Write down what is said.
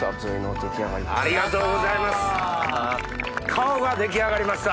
顔が出来上がりました。